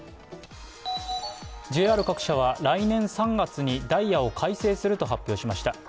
ＪＲ各社は来年３月にダイヤを改正すると発表しました。